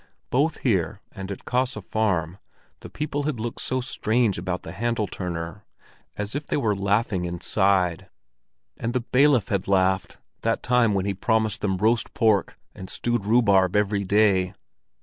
Both here and at Kaase Farm the people had looked so strange about the handle turner, as if they were laughing inside. And the bailiff had laughed that time when he promised them roast pork and stewed rhubarb every day.